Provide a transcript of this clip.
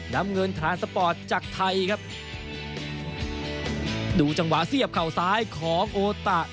น้ำเงินทานสปอร์ตจากไทยครับดูจังหวะเสียบเข่าซ้ายของโอตะ